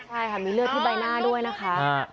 ใช่ค่ะมีเลือดที่ใบหน้าด้วยนะคะ